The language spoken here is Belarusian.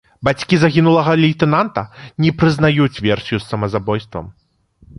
Бацькі загінулага лейтэнанта не прызнаюць версію з самазабойствам.